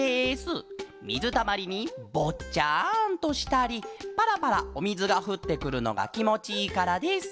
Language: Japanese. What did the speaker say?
みずたまりにぼっちゃんとしたりパラパラおみずがふってくるのがきもちいいからです。